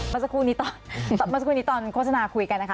มาสักครู่นี้ตอนโฆษณาคุยกันนะคะ